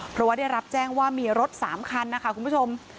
เพราะว่าได้รับแจ้งว่ามีรถ๓คันนะคะคุณผู้ชม